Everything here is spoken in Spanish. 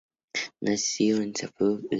Nació en Saint-Sauveur-Lendelin.